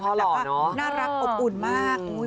พ่อหล่อเนาะน่ารักอบอุ่นมากค่ะพ่อหล่อค่ะจริง